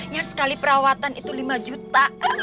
ya sekali perawatan itu lima juta